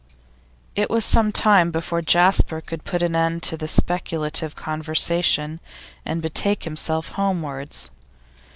It was some time before Jasper could put an end to the speculative conversation and betake himself homewards.